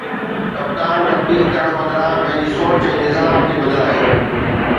ڪپتان تبديل ڪرڻ بدران پنهنجي سوچ ۽ نظام کي بدلايو